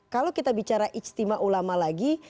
kalau kita bicara ijtima ulama lagi